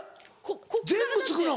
全部つくの。